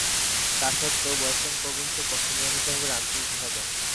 তাসত্ত্বেও western প্রভিন্সের পক্ষে নিয়মিতভাবে রান তুলতে থাকেন।